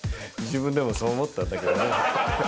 自分でもそう思ったんだけどね。